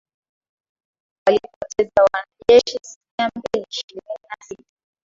walipoteza wanajeshi miambili ishirini na sita